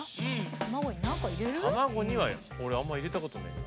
卵には俺あんま入れたことない。